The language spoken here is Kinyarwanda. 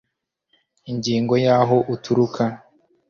Ingingo ya Aho uturuka